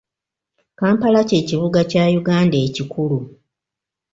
Kampala kye kibuga kya Uganda ekikulu.